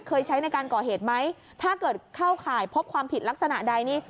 ใช้ในการก่อเหตุไหมถ้าเกิดเข้าข่ายพบความผิดลักษณะใดนี่